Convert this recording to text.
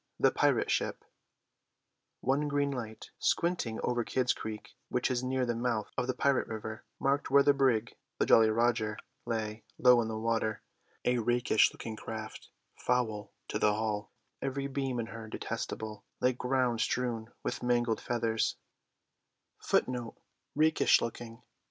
THE PIRATE SHIP One green light squinting over Kidd's Creek, which is near the mouth of the pirate river, marked where the brig, the Jolly Roger, lay, low in the water; a rakish looking craft foul to the hull, every beam in her detestable, like ground strewn with mangled feathers.